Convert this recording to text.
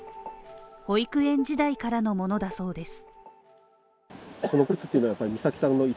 保育園時代からのものだそうです。